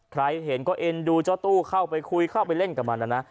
ใครเห็นก็เอ็นดูเจ้าตู้เข้าไปคุยเข้าไปเล่นกับมันนะนะ